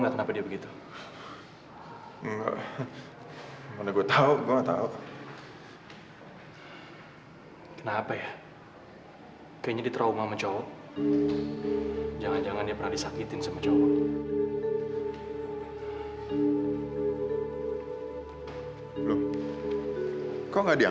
ya emang seharusnya gua jalan sama dia